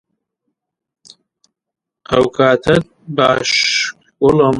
تۆ دەفەرمووی من بۆشکەیەکی پڕ لە پیساییم